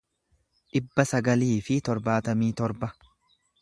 dhibba sagalii fi torbaatamii torba